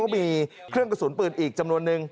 เห็นไหม